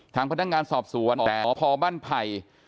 ทางพนักงานสอบสวนสพบ้านไผ่